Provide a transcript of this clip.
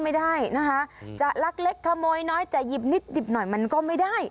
ไม่ได้นะคะจะลักเล็กขโมยน้อยแต่หยิบนิดหยิบหน่อยมันก็ไม่ได้